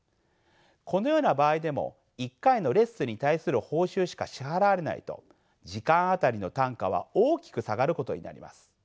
このような場合でも１回のレッスンに対する報酬しか支払われないと時間当たりの単価は大きく下がることになります。